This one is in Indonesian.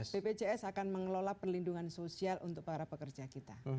bpjs akan mengelola perlindungan sosial untuk para pekerja kita